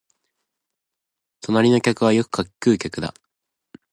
隣の客はよく柿喰う客だ